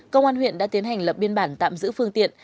công an huyện đã tiến hành lập biên bản tạm giữ phương tiện